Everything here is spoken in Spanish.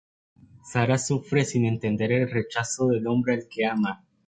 Sara sufre sin entender el rechazo del hombre al que ama.